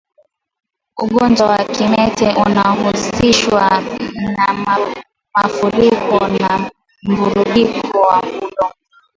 Ugonjwa wa kimeta unahusishwa na mafuriko na mvurugiko wa udongo